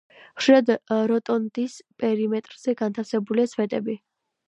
ხშირად როტონდის პერიმეტრზე განთავსებულია სვეტები.